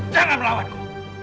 jangan melawan aku